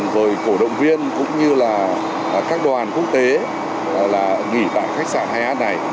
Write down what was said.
rồi cổ động viên cũng như là các đoàn quốc tế nghỉ tại khách sạn hay án này